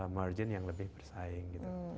margin yang lebih bersaing gitu